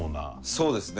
そうですね。